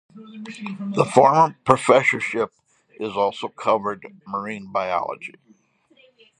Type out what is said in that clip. The former professorship also covered marine biology.